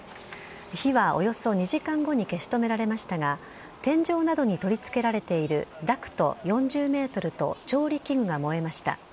火はおよそ２時間後に消し止められましたが、天井などに取り付けられているダクト４０メートルと調理器具が燃えました。